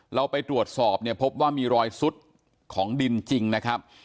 เราไปตรวจสอบเนี่ยพบว่ามีรอยซุดของดินจริงนะครับ